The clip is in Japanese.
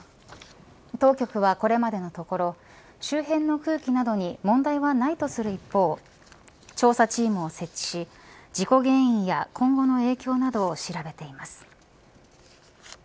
当局はこれまでのところ周辺の空気などに問題はないとする一方調査チームを設置し事故原因や今後の影響などを調べています。